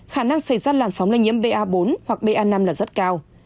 khả năng xảy ra làn sóng lây nhiễm ba bốn hoặc ba năm là rất cao